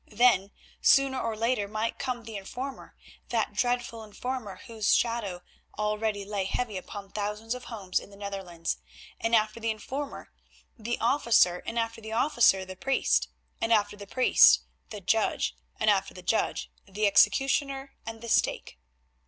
Then, sooner or later, might come the informer, that dreadful informer whose shadow already lay heavy upon thousands of homes in the Netherlands, and after the informer the officer, and after the officer the priest, and after the priest the judge, and after the judge—the executioner and the stake.